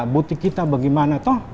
butik kita bagaimana